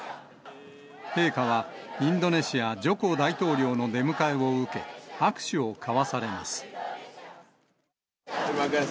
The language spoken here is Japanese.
陛下はインドネシア、ジョコ大統領の出迎えを受け、握手を交わされます。